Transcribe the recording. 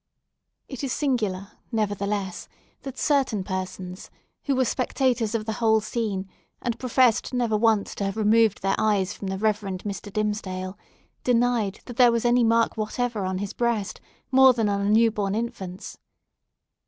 It is singular, nevertheless, that certain persons, who were spectators of the whole scene, and professed never once to have removed their eyes from the Reverend Mr. Dimmesdale, denied that there was any mark whatever on his breast, more than on a new born infant's.